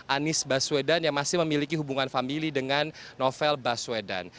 anies baswedan yang masih memiliki hubungan famili dengan novel baswedan